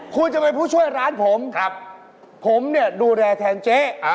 คุณจะเป็นผู้ช่วยร้านผมผมเนี่ยดูแลแทนเจ๊